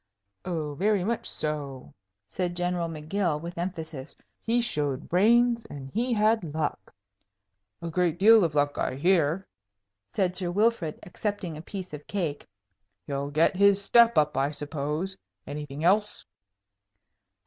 "Oh, very much so," said General M'Gill, with emphasis. "He showed brains, and he had luck." "A great deal of luck, I hear," said Sir Wilfrid, accepting a piece of cake. "He'll get his step up, I suppose. Anything else?"